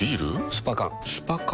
スパ缶スパ缶？